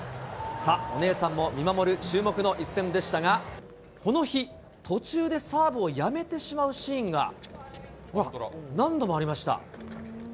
さあ、お姉さんも見守る一戦でしたが、この日、途中でサーブをやめてしまうシーンが、何度もありました。